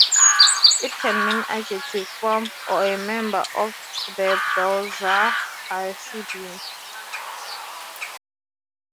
It can mean adjective form, or a member of the Belzer Hasidim.